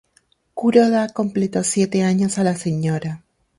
Kuroda completó siete años a la Sra.